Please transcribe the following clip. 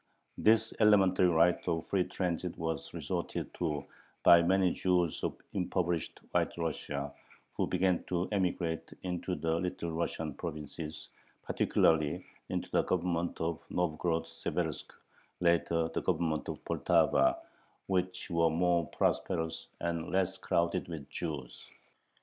This elementary right of free transit was resorted to by many Jews of impoverished White Russia, who began to emigrate into the Little Russian provinces, particularly into the Government of Novgorod Seversk, later the Government of Poltava, which were more prosperous, and less crowded with Jews.